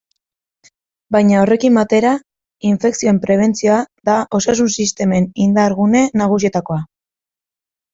Baina horrekin batera, infekzioen prebentzioa da osasun-sistemen indar-gune nagusietakoa.